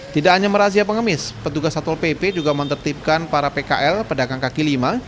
tidak hanya merazia pengemis petugas satpol pp juga menertibkan para pkl pedagang kaki lima